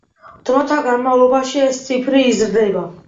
დროთა განმავლობაში ეს ციფრი იზრდება.